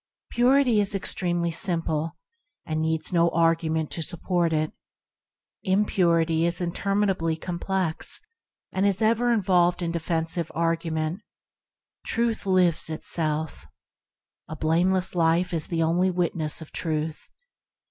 Purity is extremely simple, THE "ORIGINAL SIMPLICITY" 103 and needs no argument to support it; im purity is interminably complex, and is ever involved in defensive argument. Truth lives itself. A blameless life is the only witness of Truth.